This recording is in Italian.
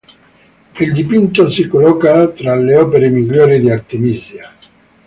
Il dipinto si colloca tra le opere migliori di Artemisia.